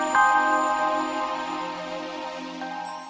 jangan banget belas